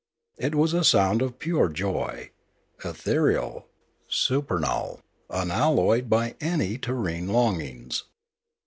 It was a sound of pure joy, ethereal, su pernal, unalloyed by any terrene longings.